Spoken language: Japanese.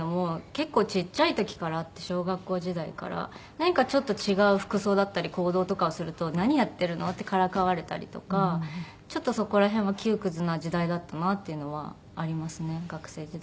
何かちょっと違う服装だったり行動とかをすると何やってるの？ってからかわれたりとかちょっとそこら辺は窮屈な時代だったなっていうのはありますね学生時代は。